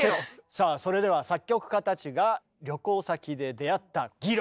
さあそれでは作曲家たちが旅行先で出会ったギロ。